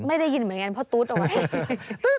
ไม่ได้ยินเหมือนกันเพราะตุ๊ดออกไป